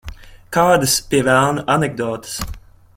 Kādas, pie velna, anekdotes?